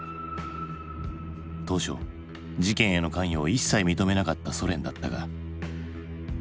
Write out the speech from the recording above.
当初事件への関与を一切認めなかったソ連だったが。